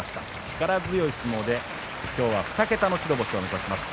力強い相撲で今日は２桁の白星を目指します。